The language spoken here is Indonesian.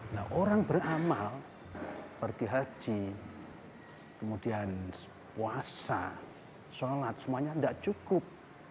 nah orang beramal pergi haji kemudian puasa sholat semuanya tidak cukup